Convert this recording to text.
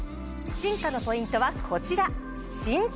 進化のポイントはこちら。